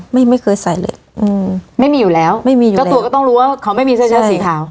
ไม่ไม่เคยใส่เลยอืมไม่มีอยู่แล้วไม่มีอยู่เจ้าตัวก็ต้องรู้ว่าเขาไม่มีเสื้อเชื้อสีขาว